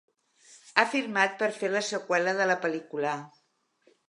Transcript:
Ha firmat per fer la seqüela de la pel·lícula.